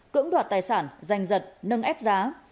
cưỡng đoạt tài sản danh dật nâng ép giá